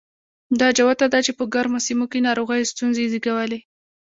دا جوته ده چې په ګرمو سیمو کې ناروغیو ستونزې زېږولې.